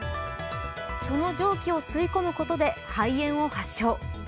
その蒸気を吸い込むことで肺炎を発症。